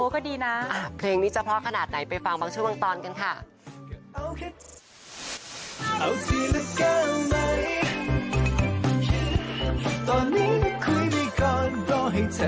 ก็ดีนะเพลงนี้จะเพราะขนาดไหนไปฟังบางช่วงบางตอนกันค่ะ